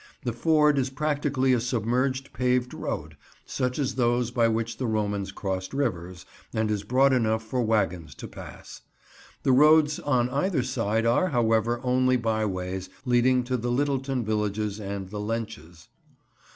The ford is practically a submerged paved road, such as those by which the Romans crossed rivers, and is broad enough for wagons to pass. The roads on either side are, however, only byways, leading to the Littleton villages and the Lenches.